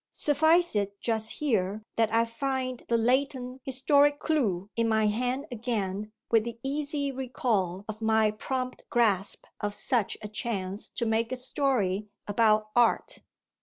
Suffice it just here that I find the latent historic clue in my hand again with the easy recall of my prompt grasp of such a chance to make a story about art.